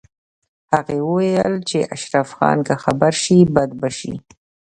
هغې وویل چې اشرف خان که خبر شي بد به شي